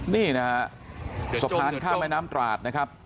นี่นะครับสะพานข้ามไม้น้ำตราด